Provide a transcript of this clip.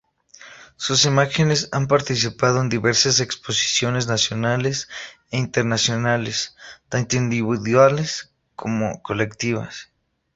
Sus imágenes han participado en diversas exposiciones, nacionales e internacionales, tanto individuales como colectivas.